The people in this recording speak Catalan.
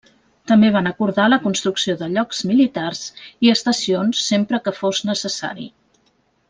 També van acordar la construcció de llocs militars i estacions sempre que fos necessari.